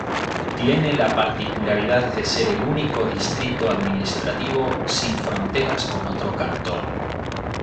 Tiene la particularidad de ser el único distrito administrativo sin fronteras con otro cantón.